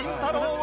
は